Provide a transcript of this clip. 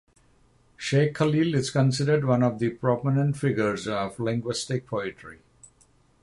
Sheikh Khalil is considered one of the prominent figures of linguistic poetry.